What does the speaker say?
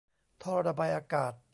ท่อระบายอากาศ